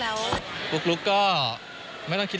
เราก็ปกติรูปงานปกติค่ะ